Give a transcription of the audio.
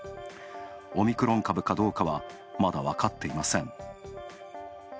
オミクロン株かどうかは、まだわかっていません。